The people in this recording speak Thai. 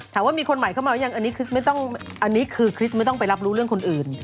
ถามว่ามีคนใหม่เข้ามาหรือยังอันนี้คือคริสไม่ต้องไปรับรู้เรื่องคนอื่น